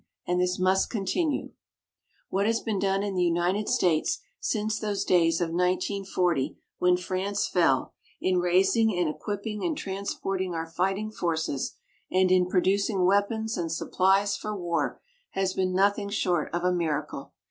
And this must continue. What has been done in the United States since those days of 1940 when France fell in raising and equipping and transporting our fighting forces, and in producing weapons and supplies for war, has been nothing short of a miracle.